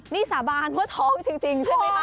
นี่สาบานว่าท้องจริงใช่ไหมคะ